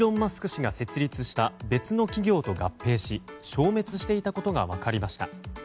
氏が設立した別の企業と合併し消滅していたことが分かりました。